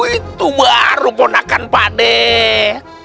itu baru ponakan pak deh